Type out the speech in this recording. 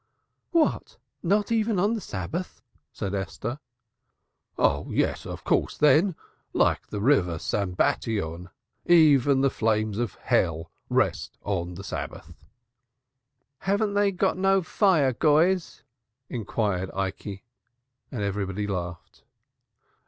"What! Not even on the Sabbath?" said Esther. "Oh, yes: of course, then. Like the river Sambatyon, even the flames of Hell rest on Shabbos." "Haven't they got no fire goyas?"; inquired Ikey, and everybody laughed.